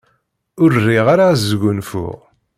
Ur riɣ ara ad sgunfuɣ.